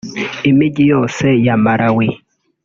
Imijyi yose ya Malawi